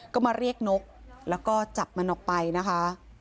ก็มาเรียกนกแล้วก็จับมันออกไปนะคะ